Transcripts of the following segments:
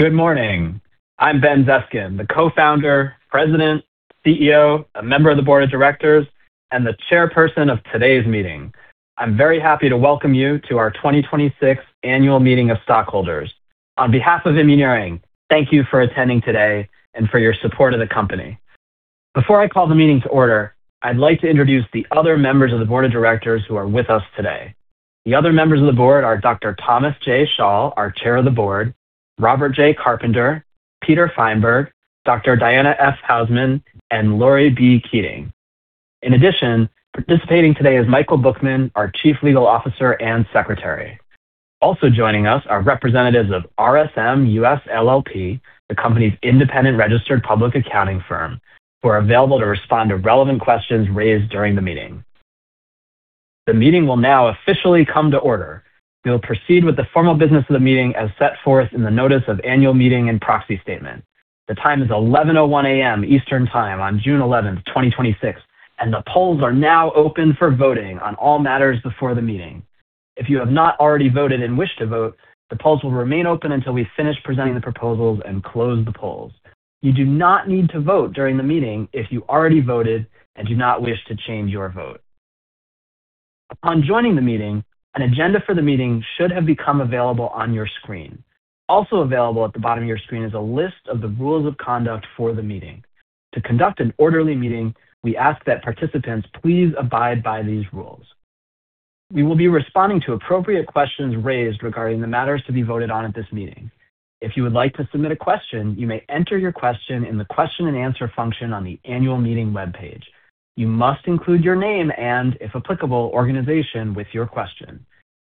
Good morning. I'm Ben Zeskind, the Co-founder, President, CEO, a member of the Board of Directors, and the Chairperson of today's meeting. I'm very happy to welcome you to our 2026 annual meeting of stockholders. On behalf of Immuneering, thank you for attending today and for your support of the company. Before I call the meeting to order, I'd like to introduce the other members of the Board of Directors who are with us today. The other members of the Board are Dr. Thomas J. Schall, our Chair of the Board, Robert J. Carpenter, Peter Feinberg, Dr. Diana S. Hausman, and Laurie B. Keating. In addition, participating today is Michael Bookman, our Chief Legal Officer and Secretary. Also joining us are representatives of RSM US LLP, the company's independent registered public accounting firm, who are available to respond to relevant questions raised during the meeting. The meeting will now officially come to order. We will proceed with the formal business of the meeting as set forth in the notice of annual meeting and proxy statement. The time is 11:01 A.M. Eastern Time on June 11th, 2026, and the polls are now open for voting on all matters before the meeting. If you have not already voted and wish to vote, the polls will remain open until we finish presenting the proposals and close the polls. You do not need to vote during the meeting if you already voted and do not wish to change your vote. Upon joining the meeting, an agenda for the meeting should have become available on your screen. Also available at the bottom of your screen is a list of the rules of conduct for the meeting. To conduct an orderly meeting, we ask that participants please abide by these rules. We will be responding to appropriate questions raised regarding the matters to be voted on at this meeting. If you would like to submit a question, you may enter your question in the question and answer function on the annual meeting webpage. You must include your name and, if applicable, organization with your question.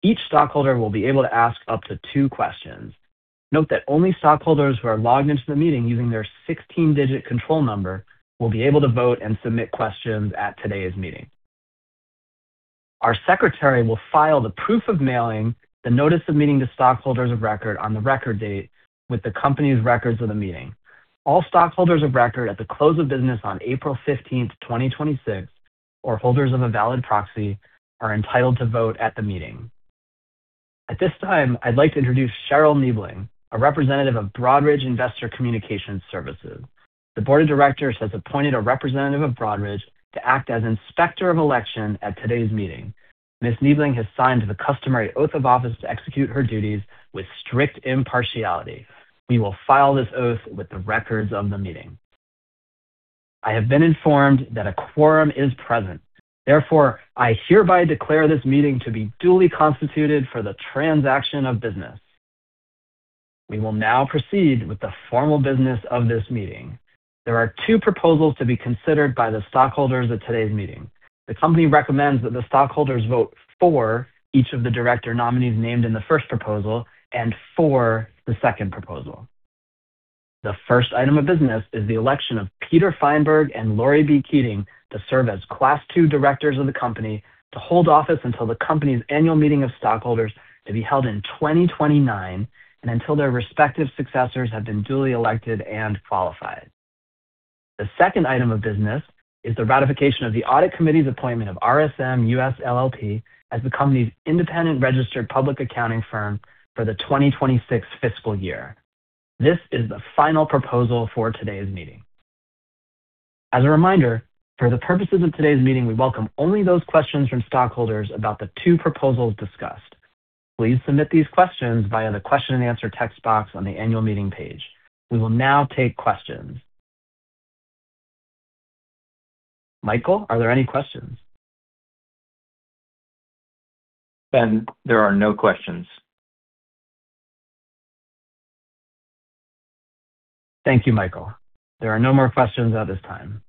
Each stockholder will be able to ask up to two questions. Note that only stockholders who are logged into the meeting using their 16-digit control number will be able to vote and submit questions at today's meeting. Our secretary will file the proof of mailing the notice of meeting to stockholders of record on the record date with the company's records of the meeting. All stockholders of record at the close of business on April 15th, 2026, or holders of a valid proxy, are entitled to vote at the meeting. At this time, I'd like to introduce Cheryl Niebeling, a representative of Broadridge Investor Communications Services. The Board of Directors has appointed a representative of Broadridge to act as inspector of election at today's meeting. Ms. Niebeling has signed the customary oath of office to execute her duties with strict impartiality. We will file this oath with the records of the meeting. I have been informed that a quorum is present. Therefore, I hereby declare this meeting to be duly constituted for the transaction of business. We will now proceed with the formal business of this meeting. There are two proposals to be considered by the stockholders at today's meeting. The company recommends that the stockholders vote for each of the director nominees named in the first proposal and for the second proposal. The first item of business is the election of Peter Feinberg and Laurie B. Keating to serve as Class II directors of the company to hold office until the company's annual meeting of stockholders to be held in 2029 and until their respective successors have been duly elected and qualified. The second item of business is the ratification of the audit committee's appointment of RSM US LLP as the company's independent registered public accounting firm for the 2026 fiscal year. This is the final proposal for today's meeting. As a reminder, for the purposes of today's meeting, we welcome only those questions from stockholders about the two proposals discussed. Please submit these questions via the question and answer text box on the annual meeting page. We will now take questions. Michael, are there any questions? Ben, there are no questions. Thank you, Michael. There are no more questions at this time.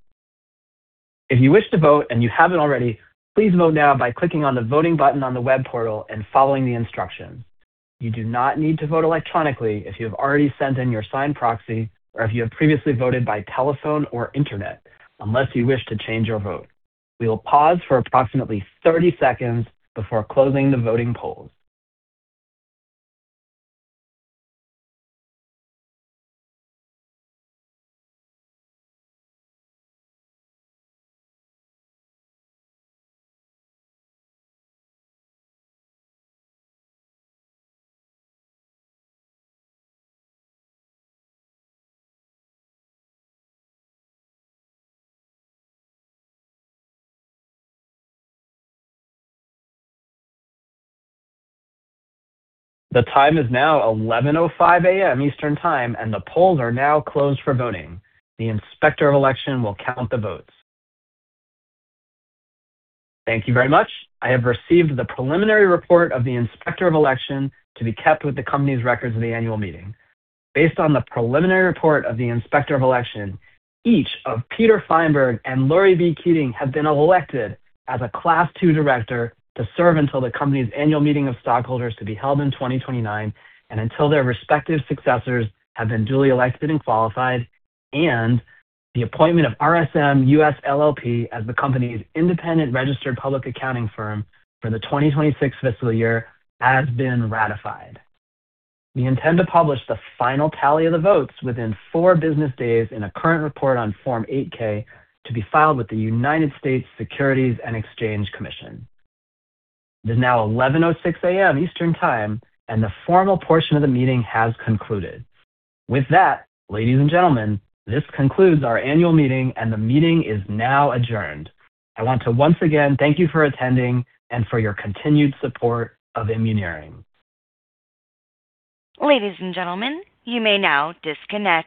If you wish to vote and you haven't already, please vote now by clicking on the voting button on the web portal and following the instructions. You do not need to vote electronically if you have already sent in your signed proxy or if you have previously voted by telephone or internet, unless you wish to change your vote. We will pause for approximately 30 seconds before closing the voting polls. The time is now 11:05 A.M. Eastern Time, and the polls are now closed for voting. The inspector of election will count the votes. Thank you very much. I have received the preliminary report of the inspector of election to be kept with the company's records of the annual meeting. Based on the preliminary report of the inspector of election, each of Peter Feinberg and Laurie B. Keating have been elected as a Class II director to serve until the company's annual meeting of stockholders to be held in 2029 and until their respective successors have been duly elected and qualified. The appointment of RSM US LLP as the company's independent registered public accounting firm for the 2026 fiscal year has been ratified. We intend to publish the final tally of the votes within four business days in a current report on Form 8-K to be filed with the United States Securities and Exchange Commission. It is now 11:06 A.M. Eastern Time, and the formal portion of the meeting has concluded. With that, ladies and gentlemen, this concludes our annual meeting, and the meeting is now adjourned. I want to once again thank you for attending and for your continued support of Immuneering. Ladies and gentlemen, you may now disconnect.